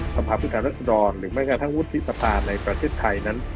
สภาพที่ขาดรัฐสดรหรือทางวุฒิสภาในประเทศไทย